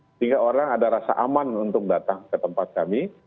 sehingga orang ada rasa aman untuk datang ke tempat kami